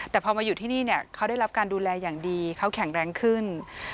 แต่พอมาอยู่ที่นี่เนี่ยเขาได้รับการดูแลอย่างดีเขาแข็งแรงขึ้น